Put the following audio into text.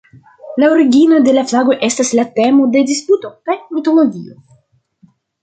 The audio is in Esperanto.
La originoj de la flago estas la temo de disputo kaj mitologio.